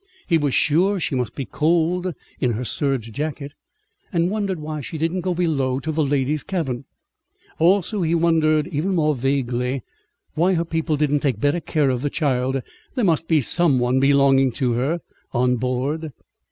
He was sure she must be cold in her serge jacket, and wondered why she didn't go below to the ladies' cabin. Also he wondered, even more vaguely, why her people didn't take better care of the child: there must be some one belonging to her on board.